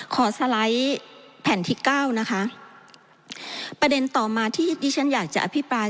สไลด์แผ่นที่เก้านะคะประเด็นต่อมาที่ดิฉันอยากจะอภิปราย